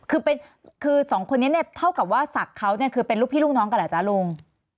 คือสองคนนี้เนี่ยเท่ากับว่าศักดิ์เขาเนี่ยคือเป็นลูกพี่ลูกน้องกันเหรอจ๊ะลุง